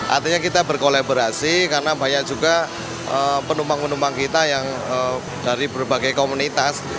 artinya kita berkolaborasi karena banyak juga penumpang penumpang kita yang dari berbagai komunitas